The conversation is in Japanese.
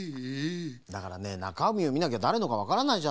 だからねなかみをみなきゃだれのかわからないじゃない。